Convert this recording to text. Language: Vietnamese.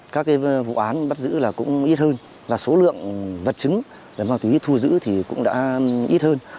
các vụ án bắt giữ cũng ít hơn và số lượng vật chứng về ma túy thu giữ cũng đã ít hơn